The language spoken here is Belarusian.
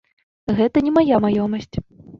Гэта не мая маёмасць.